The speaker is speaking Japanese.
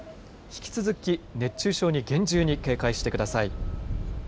引き続き熱中症に厳重に警戒してください。